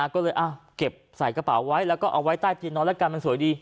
ก็เลยเก็บใส่กระเป๋าไว้แล้วก็เอาไว้ใต้เตียงนอนแล้วกันมันสวยดี